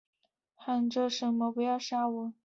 喊着什么不要杀我